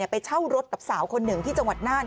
ไปเช่ารถกับสาวคนหนึ่งที่จังหวัดน่าน